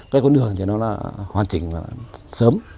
cái con đường cho nó là hoàn chỉnh sớm